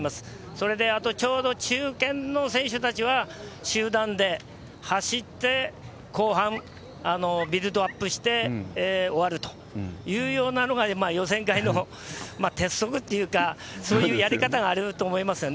それで、あと、ちょうど中堅の選手たちは、集団で走って、後半、ビルドアップして終わるというようなのが、予選会の鉄則っていうか、そういうやり方があると思いますよね。